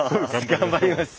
頑張ります。